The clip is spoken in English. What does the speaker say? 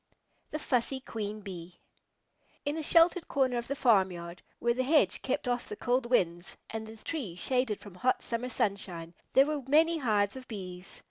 THE FUSSY QUEEN BEE In a sheltered corner of the farmyard, where the hedge kept off the cold winds and the trees shaded from hot summer sunshine, there were many hives of Bees.